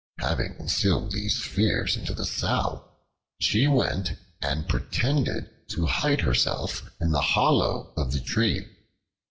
Having instilled these fears into the Sow, she went and pretended to hide herself in the hollow of the tree.